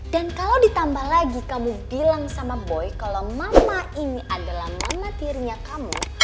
dan kalo ditambah lagi kamu bilang sama boy kalo mama ini adalah mama tirinya kamu